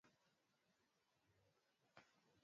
za kupambana na magenge ya wauza dawa za kulevya